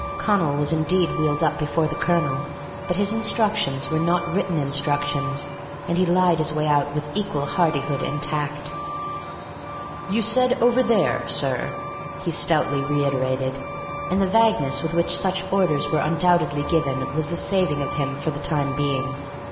Connal was indeed wheeled up before the colonel, but his instructions were not written instructions, and he lied his way out with equal hardihood and tact. "You said 'over there,' sir," he stoutly reiterated; and the vagueness with which such orders were undoubtedly given was the saving of him for the time being.